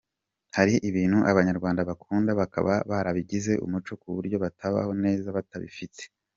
Hari ibintu Abanyarwanda bakunda, bakaba barabigize umuco ku buryo batabaho neza batabifite.